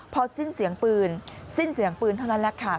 พอสิ้นเสียงปืนสิ้นเสียงปืนเท่านั้นแหละค่ะ